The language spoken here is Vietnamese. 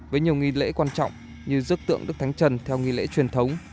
với nhiều nghi lễ quan trọng như rước tượng đức thánh trần theo nghi lễ truyền thống